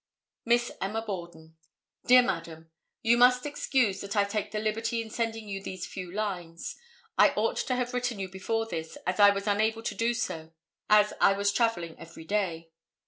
Miss Emma Borden: Dear Madam—You must excuse that I take the liberty in sending you these few lines. I ought to have written to you before this, as I was unable to do so, as I was travelling every day.